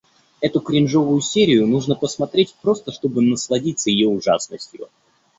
Эту кринжовую серию нужно посмотреть, просто чтобы насладиться её ужасностью.